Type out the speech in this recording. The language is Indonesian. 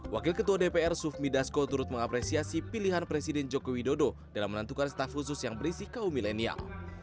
wakil ketua dpr sufmi dasko turut mengapresiasi pilihan presiden joko widodo dalam menentukan staf khusus yang berisi kaum milenial